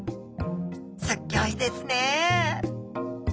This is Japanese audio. すっギョいですね！